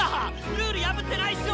ルール破ってないっしょ！